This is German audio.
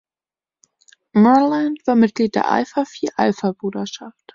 Moorland war Mitglied der Alpha Phi Alpha-Bruderschaft.